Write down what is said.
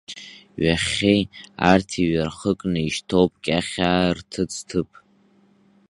Ҩахьхьи, арҭ иҩархыкны ишьҭоуп Кьахьаа рҭыӡҭыԥ.